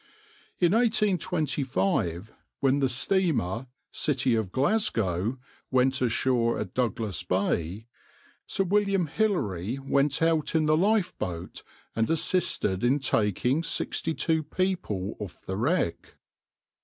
In 1825, when the steamer {\itshape{City of Glasgow}} went ashore in Douglas Bay, Sir William Hillary went out in the lifeboat and assisted in taking sixty two people off the wreck.